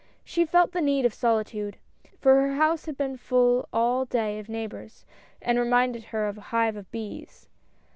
She felt the need of solitude, for her house had been full all day of neigh bors, and reminded her of a hive of bees.